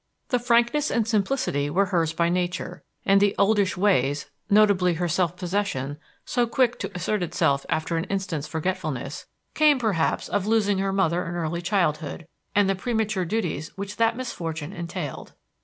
The frankness and simplicity were hers by nature, and the oldish ways notably her self possession, so quick to assert itself after an instant's forgetfulness came perhaps of losing her mother in early childhood, and the premature duties which that misfortune entailed.